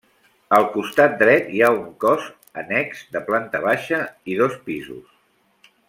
Al costat dret hi ha un cos annex de planta baixa i dos pisos.